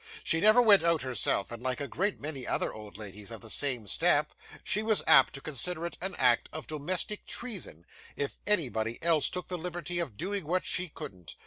She never went out herself, and like a great many other old ladies of the same stamp, she was apt to consider it an act of domestic treason, if anybody else took the liberty of doing what she couldn't.